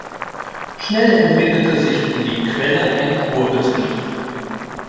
Schnell entwickelte sich um die Quelle ein Kurbetrieb.